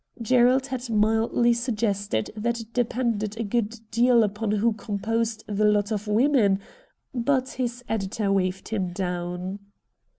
Gerald had mildly suggested that it de pended a good deal upon who composed the ' lot of women,' but his editor waved him down.